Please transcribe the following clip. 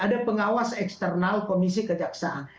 ada pengawas eksternal komisi kejaksaan